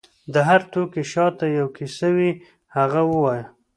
د هر توکي شاته یو کیسه وي، هغه ووایه.